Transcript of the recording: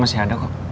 masih ada kok